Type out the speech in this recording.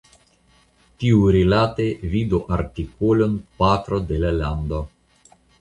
Tiurilate vidu artikolon Patro de la Lando.